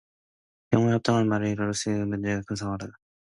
경우에 합당한 말은 아로새긴 은쟁반에 금사과니라